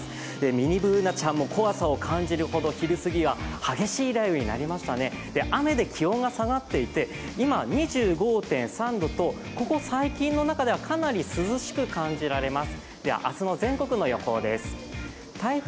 ミニＢｏｏｎａちゃんも怖さを感じるほど、昼過ぎは激しい雷雨になりましたね、雨で気温が下がっていて、今、２５．３度と、ここ最近の中ではかなり涼しく感じられます。